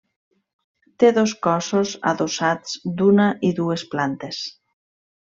Té dos cossos adossats d'una i dues plantes.